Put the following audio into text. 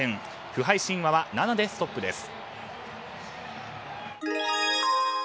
不敗神話は７でストップです。